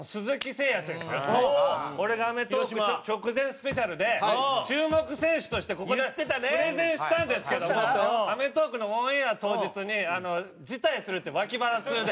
俺が『アメトーーク』直前スペシャルで注目選手としてここでプレゼンしたんですけども『アメトーーク』のオンエア当日に辞退するって脇腹痛で。